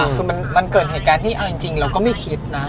คือมันเกิดเหตุการณ์ที่เอาจริงเราก็ไม่คิดนะ